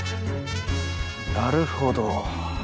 なるほど。